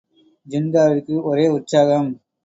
ஜின்காவிற்கு ஒரே உற்சாகம்.